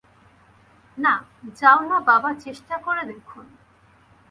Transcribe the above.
না - যাও না, বাবা - চেষ্টা করে দেখুন।